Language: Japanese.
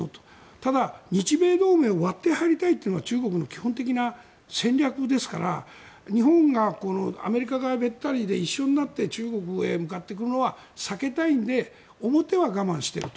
ただ、日米同盟に割って入りたいというのが中国の基本的な戦略ですから日本がアメリカ側べったりで一緒になって中国へ向かっていくのは避けたいので表は我慢していると。